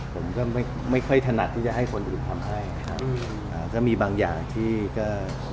ผมก็ไม่ค่อยถนัดที่จะให้คนอื่นทำให้ครับก็มีบางอย่างที่เราก็ช่วยกันอะครับ